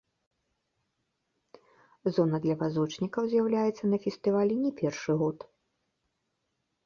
Зона для вазочнікаў з'яўляецца на фестывалі не першы год.